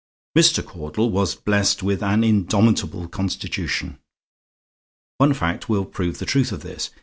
Mr. Caudle was blessed with an indomitable constitution. One fact will prove the truth of this.